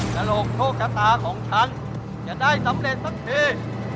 ฉันโลกโชคจรรยาของฉันจะได้สำเร็จสักที